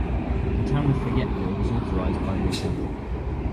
The town of Fayetteville was authorized by the assembly.